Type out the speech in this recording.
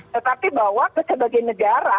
tetapi bahwa sebagai negara